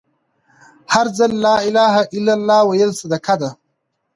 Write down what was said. هر ځل لا إله إلا لله ويل صدقه ده